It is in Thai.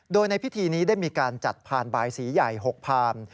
โดยในพิธีนี้ได้มีการจัดพานบายสีใหญ่๖พาม